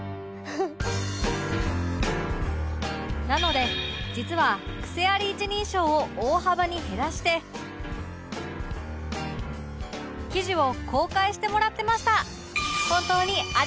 なので実はクセあり一人称を大幅に減らして記事を公開してもらってました